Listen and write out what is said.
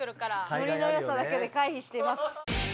ノリの良さだけで回避しています。